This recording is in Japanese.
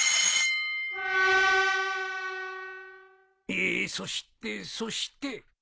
えそしてそして。